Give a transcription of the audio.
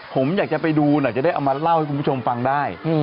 ผมอยากจะไปดูหน่อยจะได้เอามาเล่าให้คุณผู้ชมฟังได้